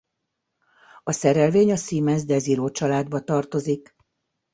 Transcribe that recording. A szerelvény a Siemens Desiro családba tartozik.